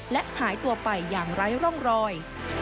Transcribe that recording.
และหายตัวไปอย่างไร้ร่องรอย